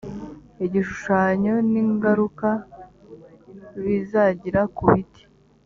igishushanyo n ingaruka bizagira kubiti